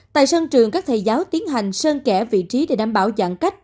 tại sân trường các thầy giáo tiến hành sơn kẻ vị trí để đảm bảo giãn cách